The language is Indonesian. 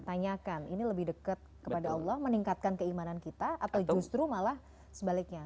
tanyakan ini lebih dekat kepada allah meningkatkan keimanan kita atau justru malah sebaliknya